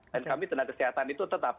dan kami tenaga kesehatan itu tetap